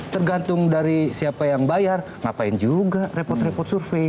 tergantung dari siapa yang bayar ngapain juga repot repot survei